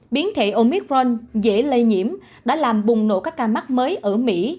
biến thể omicron dễ lây nhiễm đã làm bùng nổ các ca mắc mới ở mỹ